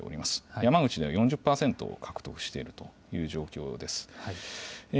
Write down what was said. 山口では４０％を獲得しているという状況です。